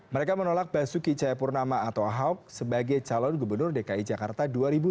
mereka menolak basuki cahayapurnama atau ahok sebagai calon gubernur dki jakarta dua ribu tujuh belas